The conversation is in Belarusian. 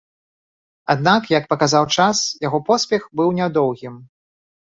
Аднак, як паказаў час, яго поспех быў нядоўгім.